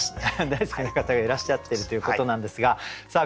大好きな方がいらっしゃってるということなんですがさあ